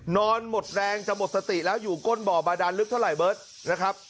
นอนหมดแรงจะหมดสติแล้วอยู่ก้นบ่อบาดานลึกเท่าไหร่เบิร์ตนะครับ